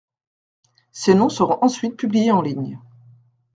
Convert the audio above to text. Ces noms seront ensuite publiés en ligne.